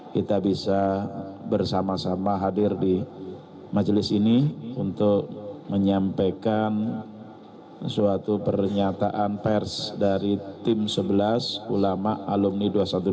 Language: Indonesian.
kita bisa bersama sama hadir di majelis ini untuk menyampaikan suatu pernyataan pers dari tim sebelas ulama alumni dua ratus dua belas